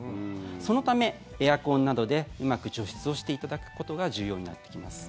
そのため、エアコンなどでうまく除湿をしていただくことが重要になってきます。